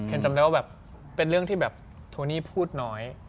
จำได้ว่าแบบเป็นเรื่องที่แบบโทนี่พูดน้อย